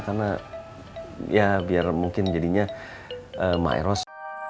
karena ya biar mungkin jadinya mak eros